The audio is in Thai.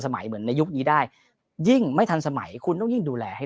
เหมือนในยุคนี้ได้ยิ่งไม่ทันสมัยคุณต้องยิ่งดูแลให้